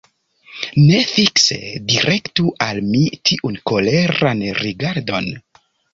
Ne fikse direktu al mi tiun koleran rigardon.